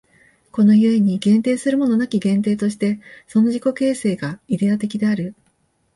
この故に限定するものなき限定として、その自己形成がイデヤ的である。